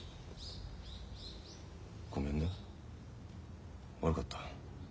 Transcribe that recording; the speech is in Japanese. ごめんね悪かった。